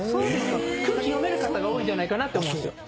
空気読める方が多いんじゃないかなって思うんすよ。